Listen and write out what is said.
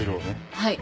はい。